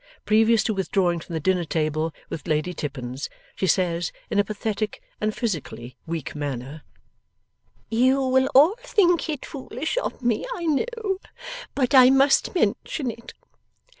Previous to withdrawing from the dinner table with Lady Tippins, she says, in a pathetic and physically weak manner: 'You will all think it foolish of me, I know, but I must mention it.